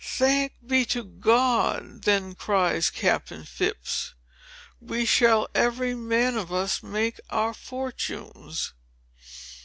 "Thanks be to God!" then cries Captain Phips. "We shall every man of us make our fortunes!"